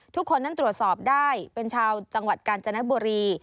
ทุกคนนั้นตรวจสอบได้เป็นชาวจังหวัดกาญจนบุรี